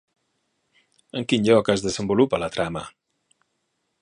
En quin lloc es desenvolupa la trama?